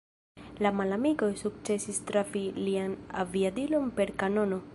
La malamikoj sukcesis trafi lian aviadilon per kanono.